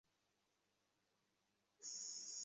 এতে তো কাজ হচ্ছে না।